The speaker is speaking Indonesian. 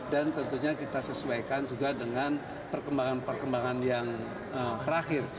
tentunya kita sesuaikan juga dengan perkembangan perkembangan yang terakhir